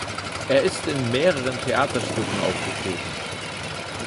Er ist in mehreren Theaterstücken aufgetreten.